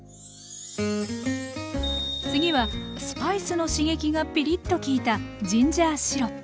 次はスパイスの刺激がピリッと利いたジンジャーシロップ。